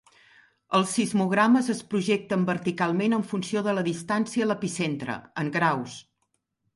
Els sismogrames es projecten verticalment en funció de la distància a l'epicentre, en graus.